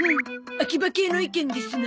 アキバ系の意見ですな。